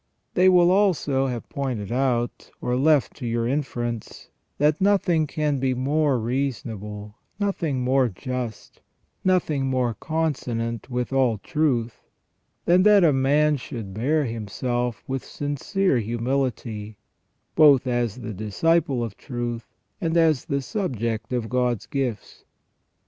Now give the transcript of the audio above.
They will also have pointed out, or left to your inference, that nothing can be more reasonable, nothing more just, nothing more consonant with all truth, than that a man should bear himself with sincere humility, both as the disciple of truth and as the subject of God's gifts.